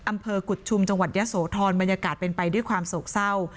อำเภอกุฎชุมจังหวัดยะโสธรบรรยากาศเป็นไปด้วยความโศกเศร้า